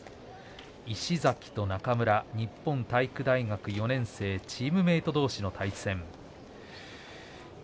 石崎と中村日本体育大学４年生チームメート同士の対戦。